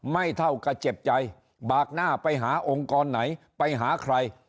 เท่ากับเจ็บใจบากหน้าไปหาองค์กรไหนไปหาใคร